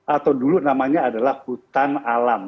atau dulu namanya adalah hutan alam